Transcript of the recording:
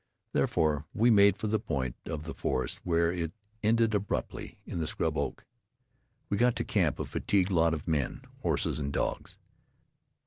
Therefore, we made for the point of the forest where it ended abruptly in the scrub oak. We got into camp, a fatigued lot of men, horses and dogs.